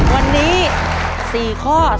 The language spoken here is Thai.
วันนี้๔ข้อ